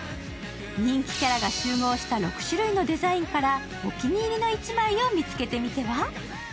人気キャラが集合した６種類のデザインからお気に入りの１枚を見つけてみては？